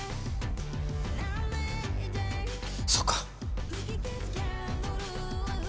そうか。